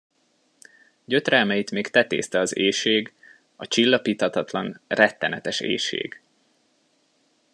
Gyötrelmeit még tetézte az éhség, a csillapíthatatlan, rettenetes éhség.